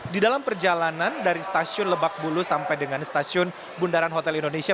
di dalam perjalanan dari stasiun lebak bulus sampai dengan stasiun bundaran hotel indonesia